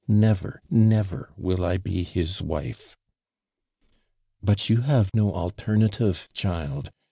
Never, never will I be his wife !"" But you have no alternative child.